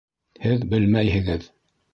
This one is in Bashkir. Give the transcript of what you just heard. Һеҙ белмәйһегеҙ!